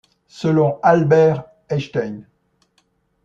Selon Albert Einstein,